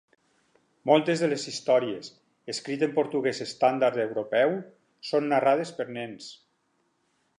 Moltes de les històries, escrit en portuguès estàndard europeu, són narrades per nens.